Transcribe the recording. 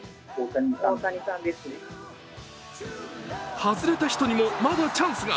外れた人にも、まだチャンスが。